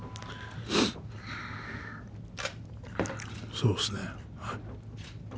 そうですね、はい。